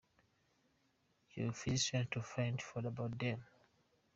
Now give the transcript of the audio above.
your physician to find further about them.